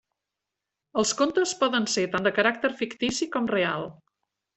Els contes poden ser tant de caràcter fictici com real.